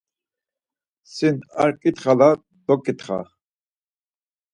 Sin ar ǩitxala dogǩitxa.